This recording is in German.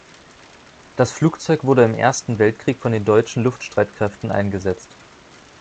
Das Flugzeug wurde im Ersten Weltkrieg von den deutschen Luftstreitkräften eingesetzt.